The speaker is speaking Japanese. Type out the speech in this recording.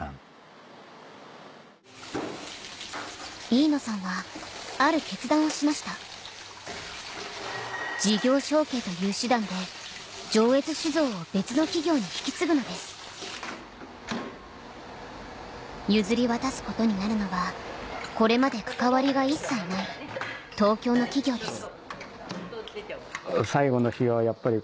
飯野さんはある決断をしました事業承継という手段で上越酒造を譲り渡すことになるのはこれまで関わりが一切ない東京の企業です